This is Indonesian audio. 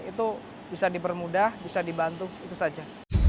itu bisa dipermudah bisa dibantu itu saja